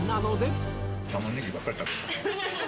タマネギばっかり食べるな。